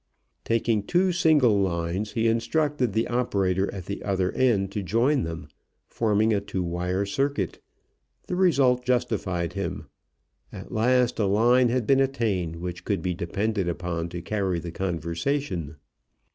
Taking two single lines, he instructed the operator at the other end to join them, forming a two wire circuit. The results justified him. At last a line had been attained which could be depended upon to carry the conversation.